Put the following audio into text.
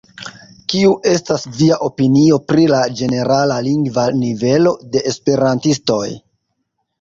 Kiu estas via opinio pri la ĝenerala lingva nivelo de esperantistoj?